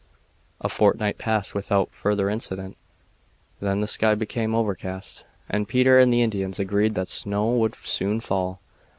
A fortnight passed without further incident. Then the sky became overcast, and Peter and the Indians agreed that snow would soon fall.